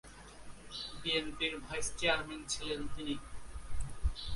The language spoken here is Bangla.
বিএনপির ভাইস চেয়ারম্যান ছিলেন তিনি।